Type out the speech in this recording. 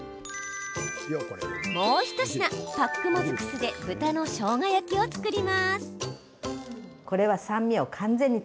もう一品、パックもずく酢で豚のしょうが焼きを作ります。